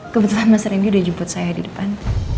kebetulan mas rendy udah jemput saya di depan